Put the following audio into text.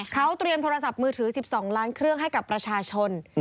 เขาเตรียมโทรศัพท์มือถือ๑๒ล้านเครื่องให้กับประชาชน